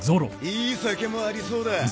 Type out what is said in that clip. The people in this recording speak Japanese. いい酒もありそうだ。